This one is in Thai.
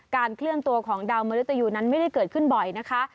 เคลื่อนตัวของดาวมนุษยูนั้นไม่ได้เกิดขึ้นบ่อยนะคะ